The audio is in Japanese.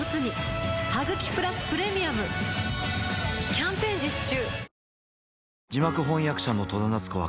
キャンペーン実施中